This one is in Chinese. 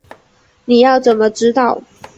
你要怎么知道